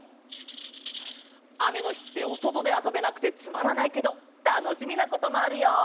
あめのひっておそとであそべなくてつまらないけどたのしみなこともあるよ！